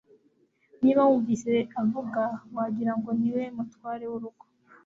niba wumvise avuga, wagira ngo niwe mutware wurugo